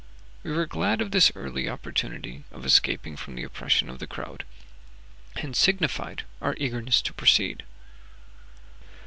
We were glad of this early opportunity of escaping from the oppression of the crowd, and signified our eagerness to proceed.